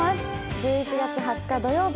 １１月２０日土曜日